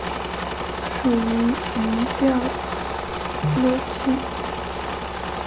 属于移调乐器。